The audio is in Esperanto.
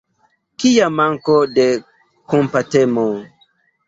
Kia manko de kompatemo!